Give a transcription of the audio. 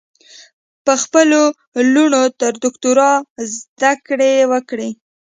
په خپلو لوڼو تر دوکترا ذدکړي وکړئ